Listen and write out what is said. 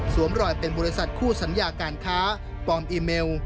รอยเป็นบริษัทคู่สัญญาการค้าปลอมอีเมล